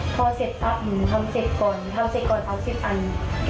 พอเสร็จอัพอยู่ทำเสร็จก่อนทำเสร็จก่อนเขาเสร็จอันนี้